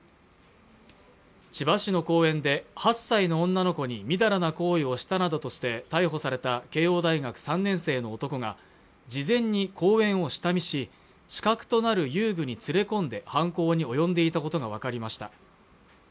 千葉市の公園で８歳の女の子にみだらな行為をしたなどとして逮捕された慶応大学３年生の男が事前に公園を下見し死角となる遊具に連れ込んで犯行に及んでいたことが分かりました